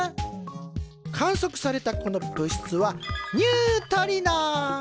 観測されたこの物質はニュートリノ！